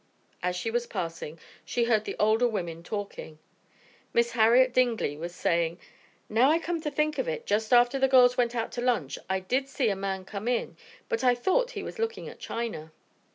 As she was passing she heard the older women talking. Miss Harriet Dingley was saying, "Now I come to think of it, just after the girls went out to lunch, I did see a man come in, but I thought he was looking at china."